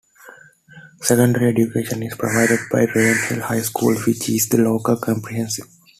Secondary education is provided by Rainhill High School which is the local comprehensive.